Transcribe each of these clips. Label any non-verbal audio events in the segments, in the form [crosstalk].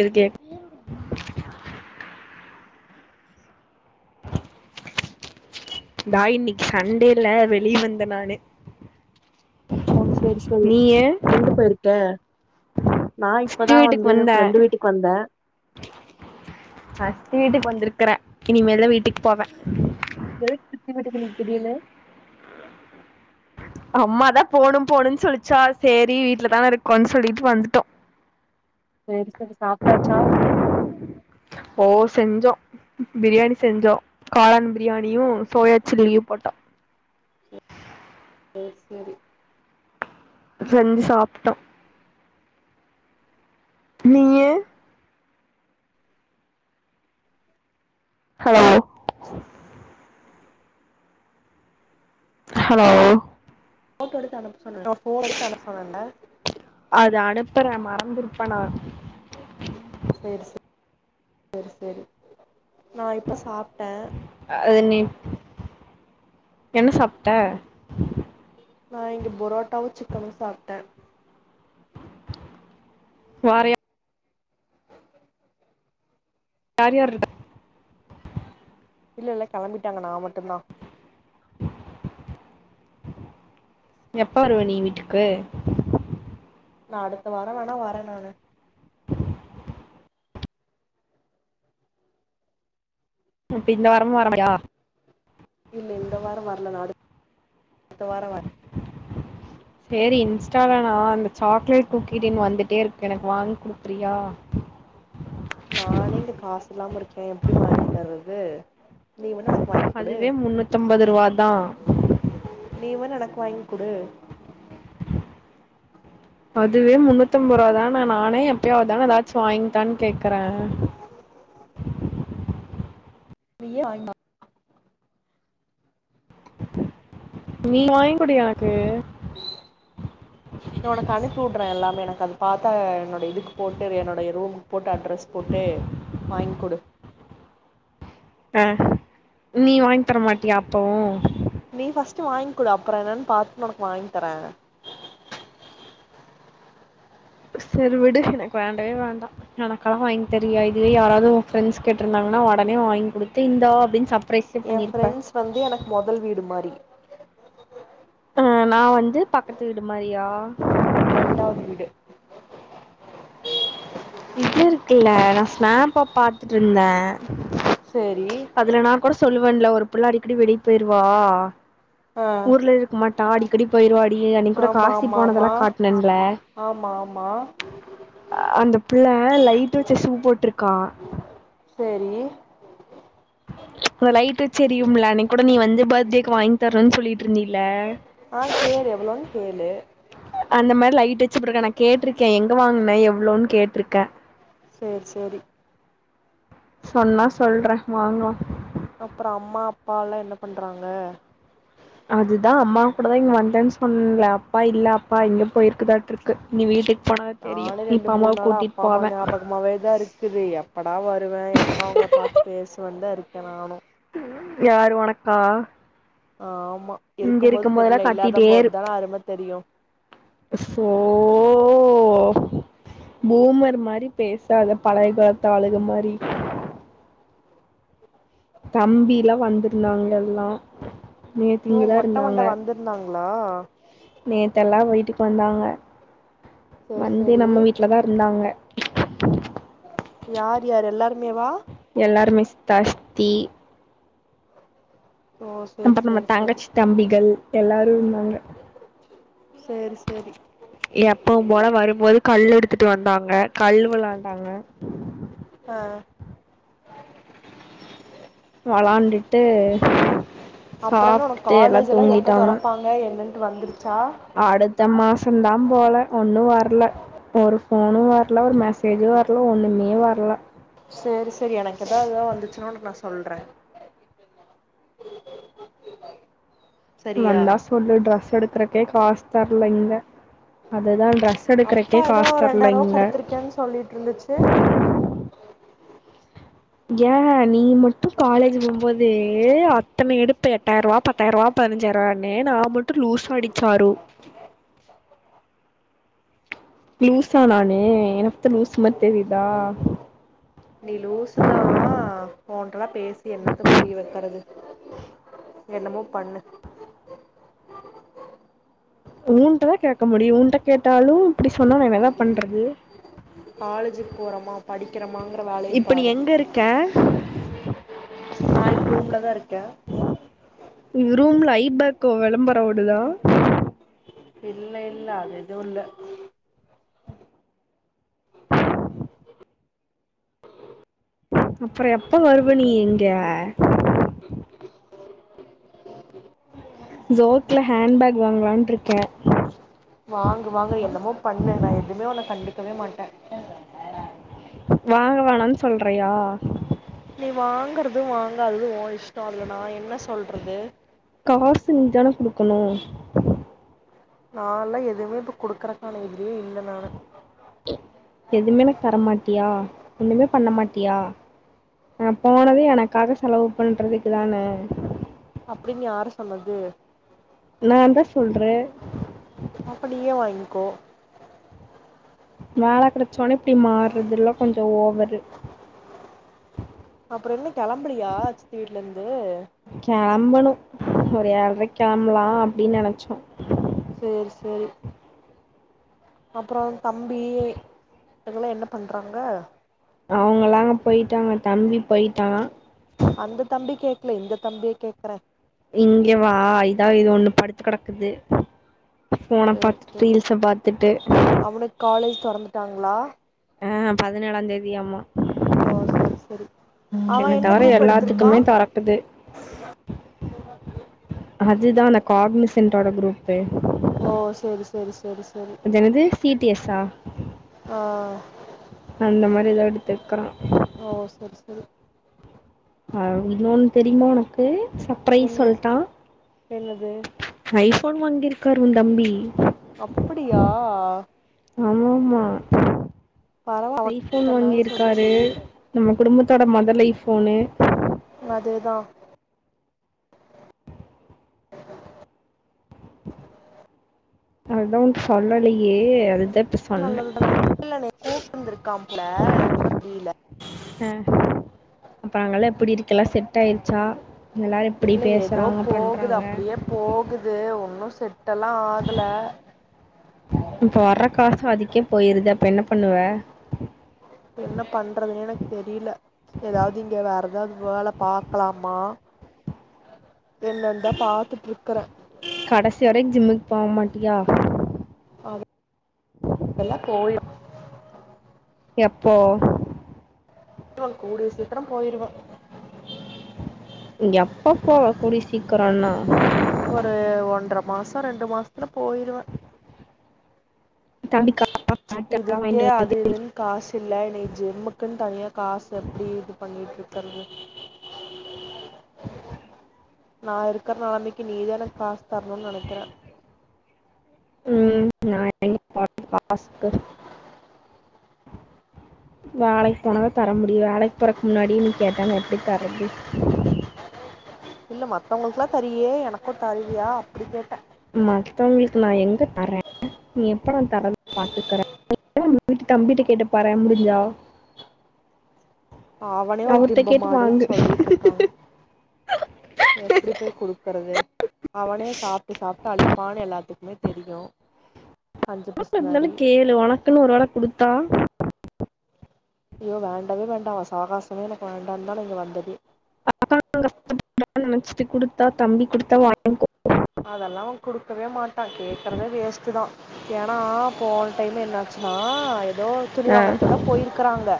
இது கேக் பாய் இன்னைக்கு சண்டேல வெளிய வந்தேன் நானு ஒ சேரி சரி நீயு எங்க போயிருக்க நா சித்தி இப்பதா வீட்டுக்கு வந்து ஃப்ரெண்டு வந்தன் வீட்டுக்கு வந்தே ஃபர்ஸ்ட் நைட்டுக்கு வந்திருக்கு கறேன் இனிமேல் வீட்டுக்கு போவேன் எதுக் சித்தி விட்டுக்கு திடீனு அம்மாதான் போணும் போணும்ன்னனு சொல்லிச்சா சேரி வீட்டுலதானே இருக்கோன்னனு சொல்லிட்டு வந்துட்டோம் செரி செரி சாப்பிட்டாச்சா செஞ்சோம் பிரியாணி செஞ்சோம் காளான் பிரியாணியும் சோயா சில்லியும் போட்டோம் ஒ சரி செஞ்சு சாப்பிட்டோம் நீயே ஹலோ ஹலோ ஓட்டோ எடுத் அனுப்பு அது அனுப்பறேன் மறந்திருப்பேன் நா செரி செரி செரி செரி நா இப்ப சாப்டேன் அது நீ என்ன சாப்ட்ட நா இங்க பொரோட்டாவும் சிக்கனும் சாப்ட்டேன் வாறயா யார் யார் இருக்கா இல்ல இல்ல கெளம்பிட்டாங்க நா மட்டும்தான் எப்ப வருவ நீ வீட்டுக்கு நான் அடுத்த வாரம் வேணா வரேன் நானு [unintelligible] இந்த வாரமும் வரமாட்டியா இல்ல இந்த வாரம் வரல நாலு சேரின்ஸ் [unintelligible] நா சாக்லேட் குக்கிட்டின்னு வந்துட்டே இருக்கு எனக்கு வாங்கி குடு நானே இங்க காசு இல்லாம இருக்கேன் எப்டி வாங்கி தர்றது நீ வேண்ண வந்து வாங்கி கொடு அதுவே முன்னூத்தம்பது ரூவா தா நீவே எனக்கு வாயிங்குடு அதுவே முன்னூத்தி ஒன்ம்பது ரூப தானே நானே எப்பயாவதானே ஏதாச்சு வாங்கதான்னு கேக்குறே [unintelligible] ஆய்மா நீ வாங்குடியா எனக்கு என்னோட கணிப்பி வுடுற எல்லாமே எனக்கு அத பாத்தா என்னோட இதுக்கு போட்டு என்னோடய ரூமு போட்டு அட்ரஸ் போட்டு வாங்கிக் குடு அஹ நீ வாங்கி தர மாட்டியா அப்பவும் நீ பஸ்டு வாங்குடு அப்பற என்னன்னு பாத்து உனக்கு வாங்கி தரே செரு விடு எனக்கு வேண்டவே வேண்டா எனக்காக வாங்கி தருவியா இதுவே யாராது உ ஃப்ரண்ட்ஸ் கேட்டிருந்தாங்கன்னா உடனே வாங்கி குடுத்து இந்தா அப்படின் சப் என் ஃப்ரெண்ட்ஸ் வந்து எனக்கு முதல் வீடு மாரி அஹ நா வந்து பக்கத்து வீடு மாரியா ரெண்டாது வீடு இது இருக்குல்ல நா ஸ்னாப்பா பாத்துட்டு இருந்தே சேரி அதுல நா கூட சொல்லுவேல ஒரு அப்பலாம் அடிக்கடி வெளிய போயிருவா ஆ ஊர்ல இருக்கமாட் டாடி அடிக்கடி போயிருவாட் நீ அன்னக் கூட ஆமா காசி ஆமா ஆமா போனதெல்லா காட்டென்ல ஆமா ஆமா அந்த புள்ள ஆஹ் லைட் வச்ச சூ போட்டுருக்கா செரி ச் இந்த லைட் வச்செரியும்ல அன்ன கூட நீ வந்து பர்த்டேக்கு வாங்கி தரன்னு சொல்லிட்டு இருந்தீல ஆஹ கேளு எவ்ளோன் கேளு அந்த மாரி லைட் வச்சுப்பட்டுருக்கேன் நான் கேட்டிருக்கேன் எங்க வாங்குன எவ்வளோன்னு கேட்டிருக்கேன் சேர் செரி சொன்னா சொல்றே வாங்கலா அப்பற அம்மா அப்பா எல்லா என்ன பண்றாங்க அதுதா அம்மா கூட தா இங்க வந்தேன்னு சொன்னல அப்பா இல்ல அப்பா இங்க போயிருக்குதாட்டு இருக்கு நீ வீட்டு நானு ரெண்டு மூணு நாள அப்பா அம்மா ஞாபகமாவே தா இருக்குது எப்படா வருவே எப்பா அவுங்கள பாத்து பேசுவ தா இருக்கே நானு யாரு உனக்கா ஆஹ இங்க இருக்கும்போதெல்லா கத்திட்டே இரு தான அரும தெரியு சோ பூமர் மாரி பேசாத பழையகிளத்து ஆளு மாரி தம்பி எலா வந்திருந்தாங்க எல்லா நேத்தி இங்கதா இருந்தாங்க லோ நேத்தெல்லா வீட்டுக்கு வந்தாங்க சேரி வந்து சேரி நம்ம வீட்டு்லதான் இருந்தாங்க [inaudible] யார் யாரு எல்லாருமேவா எல்லார்மே சித்தா சித்தி ஓ சேரி அப்புறம நம்ம சேரி சேரி தங்கச்சி தம்பிகள் எல்லாரும் சேரி சேரி எப்பவும் போல வரும்போது கல் எடுத்துட்டு வந்தாங்க கல் விளாண்டாங்க ஆ விளாண்டுட்டு அப்புற என்ன உனக்கு சாப்புட்டு எல்லாம் காலேஜ் எல்லா எப்ப தூங்கிட்டாங்க தொறப்பாங்க என்னன்ட்டு வந்துருச்சா அடுத்த மாசம்தான் போல ஒண்ணும் வர வரல ஒரு போனும் வரல ஒரு மெசேஜ்ம் வரல ஒண்ணுமே வரல செரி செரி எனக்கு ஏதாவது ஏ வந்துச்சுன்ன நான் சொல்ற வந்தா சொல்லு ட்ரெஸ் எடுத்துறக்கே காசு தரலைங்க அதுதான் அப்பா ஏதோ ரெண்டாயிர ரூபா குடுத்துருக்கேன்னு சொல்லிட்டு இருந்துச்சு ஏன் நீ மட்டும் காலேஜ் போம்போது அத்தனை எடுப்ப எட்டாயிரம் ரூபா பத்தாயிரம் ரூபா பதினஞ்சாயிரம் ரூபானு நான் மட்டும் லூசாடி சாரு லூஸா நானு என்ன பாத்த லூஸ் மாதிரி தெரியுதா லூசு தான் உன்கிட்ட எல்லா பேசி என்னத்த புரிய வைக்கிறது என்னமோ பண்ணு ஊன்ட்டதான் கேட்க முடியும் ஊன்ட்ட கேட்டாலும் இப்படி சொன்ன நான் என்னதா பண்றது காலேஜுக்கு போறமா படி இப்ப நீ எங்க இருக்க நான் இப்போ ரூம்ல தான் இருக்கேன் உ ரூம்ல ஐபேக்க விளம்பர ஓடுதா இல்ல இல்ல அது இது இல்ல அப்புறம் எப்ப வருவ நீ இங்க ஜோக்ல ஹேண்ட பேக் வாங்கலான்ட்டு இருக்கேன் வாங்க வாங்க என்னமோ பண்ணு நான் எதுவுமே உன்னை கண்டு வேமாட்ட வாங்க வேணன்னனு சொல்றியா நீ வாங்கறதும் வாங்காதது உன் இஷ்டம் அதுலனா நான் என்ன சொல்றது காசு நீ தானு குடுக்கணும் நான்ல்லாம் எதுவுமே இப்ப குடுக்குறக்காலம் எது எதுவுமே தரமாட்டியா ஒண்ணுமே பண்ண மாட்டியா ஆஹ போனது எனக்காக செலவு பண்றதுக்கு தானே அப்படின்னு யாரு சொன்னது நான் தான் சொல்றேன் அப்படியே வாய்ங்கோ வேலை கிடைச்சோனே இப்படி மாறுறதுல்லாம் கொஞ்சம் ஓவரு அப்புறம் என்ன கிளம்பலியா சித்தி வீட்டுல இருந்து கெளம்பணு ஒரு ஏழரைக்கு கிளம்பலாம் அப்படின்னு நினைச்சோம் சரி சரி அப்புறம் தம்பி இதல்லாம் என்ன பண்றாங்க அவங்கலாம் அங்ங போயிட்டாங்க தம்பி போயிட்டான் இல்ல இந்த தம்பிய கேக்குறேன் இங்க வா இதா இது ஒண்ணு படுத்து கிடக்குது போனை சேரி பாத்துட்டு சேரி ரீல்ஸ பாத்துட்டு தொடறந்துட்டாங்களா ஆஹ பதினேழா தேதி ஆமா ஓ சேரி சேரி அவ என்ன தவிர குரூப் எடுத்திருக்கா எல்லாத்துக்குமே தரக்குது அதுதா கார்மிசன்டோட குரூப் ஓ சேரி சேரி சேரி அதனது சி டி எஸ் ஆ ஆ அந்த மாதிரி ஏதாவ எடுத்துக்கறா ஓ [inaudible] அஹ இன்னொன்னு தெரியுமா உனக்கு சப்ரைஸ் பெண் சொல்டா என்னது போன் வாங்கிருக்காரு உன் தம்பி அப்படியா ஆ [inaudible] ஆமா ஆமா பரவா அவ ஐபோன் இத்தன் நாள் சொல்லி வாங்கியிருக்காரு சொல்லி நமக்கு குடும்பத்தோட மதலை ஃபோனு வதுதா [inaudible] அதுதா உன் சொல்ல வையே அதுதான் இப்ப சொன்னே நல்லதுதான இல்லனே கூப்ட்ருந்திருக்காம் போல எனக்குதா தெரில அஹ அப்ப அங்கல்லா எப்பிடி இருக்க எல்லா செட் ஆயிருச்சா எல்லாரு எப்படி இல்ல ஏதோ பேசுறாங்க போகுது பண்றாங்க செட் இல்லா ஆகல இப்ப வர்ற காசு அதுக்கே போயிருது அப்ப என்ன பண்ணுவ என்ன பண்றதுன்னே எனக்கு தெரியல ஏதாவது இங்க வேற எதாவது வோல பாக்கலாமா என்னந்தா பாத்துட்டு இருக்கறேன் பாமாட்டிய இதெல்லா போயுரு எப்போ ட்ரோல் கூடிய சீக்கிரம் போயிருவேன் எப்ப போவ கூடி சீக்குரன்னா ஒரு ஒன்ற மாச ரெண்டு மாசத்துல போயிருவேன் தண்டிக்கா இதுக்கே அது இதுன்னு காசு இல்ல இன்னை ஜிம்முக்குன்னு தனியா காசு எப்பிடி இது பண்ணிற்று இருக்குது நா இருக்குற நிலமைக்கு நீதானு என காசு தரணுனு நெனைக்கிறேன் உம் நா என் வேலைக்கு போனாலான் தர முடியு வேலைக்கு போறக்கு முன்னாடி நீ கேட்டா எப்படி தரது இல்ல மத்தவங்களுக்குல்லா தரியே எனக்கு தருவியா அப்டி கேட்டே மத்தங்களுக்கு நா எங்க தரே நீ எப்பட தரது பாத்துக்கறே வீட்டு தம்பிட்ட கேட்டு பாறே முடிஞ்சா அவனே ஒரு அவர்கிட்ட திம்ப கேட்டு மாடுன்னு வாங்கு சொல்லிட்டு இருக்காங்க எப்படி போய் குடுக்குறது அவனே சாப்பிட்டு சாப்பிட்டு அழிப்பான் அவன எல்லாத்துக்குமே தெரியும் ஆ பன்னாலனு கேளு உனக்குன்னு ஒரு வேளை குடுத்தா ஐயோ வேண்டாவே வேண்டாம் அவன் சாகாசமே எனக்கு வேண்டாம்னு தான் நா இங்க வந்ததே நினைச்சிட்டு குடுத்தா தம்பி குடுத்தா வாய்ங்கோ அதெல்லாம் அவ குடுக்கவே மாட்டான் கேக்குறத வேஸ்ட் தான் ஏன்னா போன டைம் என்னாச்சுன்னா எதோ ஆ துணிவங்கர்க்கு தா போயிருக்காங்க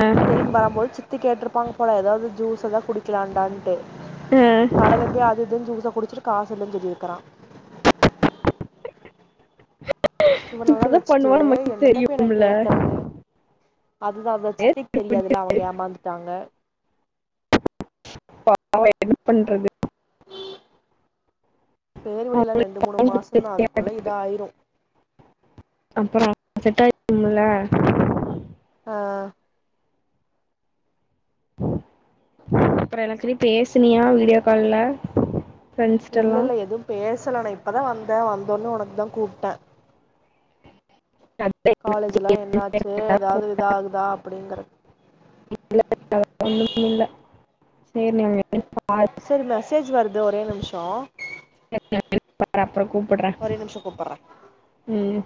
ஆ திரும்பி வரும்போது சித்து கேட்டுரு வாங்க போலாம் ஏதாவது ஜூஸ் எத குடி லாண்டான்டு ஆ கடைல போய் அது இதுன்னு ஜூசை குடிச்சுட்டு காசுல்லனு சொல்லிருக்கிறான் இவனல்லாம் இப்படிதான் வச்சுட்டு பண்ணுவான்னு நமக்கு என்னத்த போய் நா தெரியும்ல கேக்குறது அதுதான் அத சித்திக்கு நேத்து இப்படி தெரியாதுல்ல அவங்க ஏமாந்துட்டாங்க ப என்ன பண்றது [inaudible] செறிவிடு எல்லாம் ரெண்டு மூணு அவன் மாசம்தான் கொடுத்துருக்கேன். அதுக்குள்ள இத ஆயிரும் டும்ள ஆஹ் அப்புறம் எல்லாதிலும் பேசுனியா வீடியோ கால்ல இல்லல்ல எதுவும் பேச சல நான் இப்பதான் வந்தேன் வந்தோன்ன உனக்கு தான் கூப்ட்டேன் காலேஜ் எல்லாம் என்னாச்சு ஏதாவது இத ஆகுதா அப்படிங்குற [inaudible] ஒண்ணும் இல சரி மெசேஜ் வருது ஒரே நிமிஷோ [inaudible] அப்பறம் கூப்பறேன் ஒரே நிமிஷோ கூப்பட்றே உம்